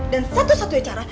dan satu satunya cara